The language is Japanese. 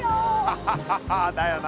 ハハハハッだよな。